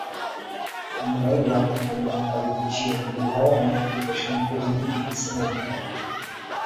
আমরাও উহাকে থামাইতে পারিতেছি না, উহাও আমাদিগকে শান্ত হইতে দিতেছে না।